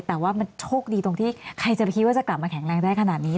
แต่ว่ามันโชคดีตรงที่ใครจะไปคิดว่าจะกลับมาแข็งแรงได้ขนาดนี้